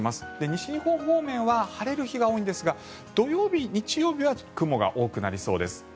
西日本方面は晴れる日が多いんですが土曜日、日曜日は雲が多くなりそうです。